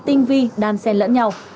tinh vi đan xen lẫn nhau